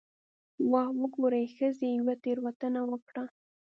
'واه وګورئ، ښځې یوه تېروتنه وکړه'.